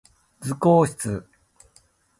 図工室